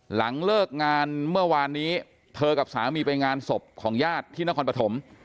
หลังเลิกงานเมื่อวานนี้เธอกับสามีไปงานศพของญาติที่นครปฐม